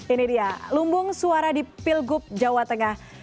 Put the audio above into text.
ini dia lumbung suara di pilgub jawa tengah